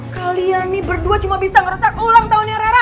kalian nih berdua cuma bisa ngerusak ulang tahunnya rara